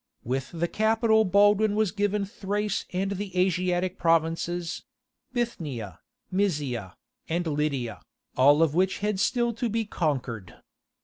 With the capital Baldwin was given Thrace and the Asiatic provinces—Bithynia, Mysia, and Lydia, all of which had still to be conquered.